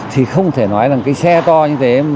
thì không thể nói rằng cái xe to như thế